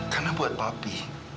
karena buat papi